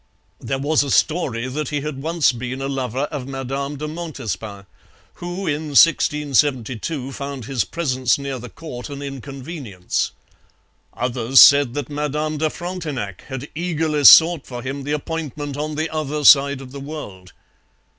There was a story that he had once been a lover of Madame de Montespan, who in 1672 found his presence near the court an inconvenience. Others said that Madame de Frontenac had eagerly sought for him the appointment on the other side of the world.